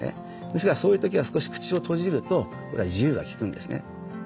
ですからそういう時は少し口を閉じると自由が利くんですね。